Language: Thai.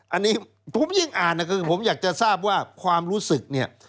อันนี้ผมยิ่งอ่านนะคือผมอยากจะทราบว่าความรู้สึกเนี่ย